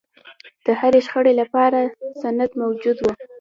د هرې شخړې لپاره سند موجود و.